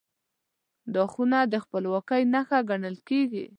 دا خونه د خپلواکۍ نښه ګڼل کېږي.